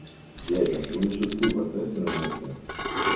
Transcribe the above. Дядя, вы лучше стул поставьте на место!